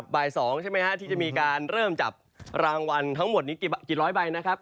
บ่าย๒ใช่ไหมฮะที่จะมีการเริ่มจับรางวัลทั้งหมดนี้กี่ร้อยใบนะครับ